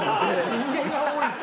「人間が多い」って。